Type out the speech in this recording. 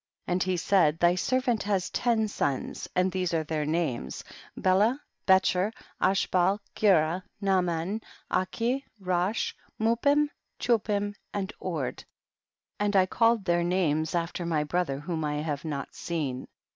and he said, thy servant has ten sons, and these are their names, Bela, Becher, Ashbal, Gera, Naaman, Achi, Rosh, Mupim, Chupim and Ord, and I called their names after my brother whom I have not seen.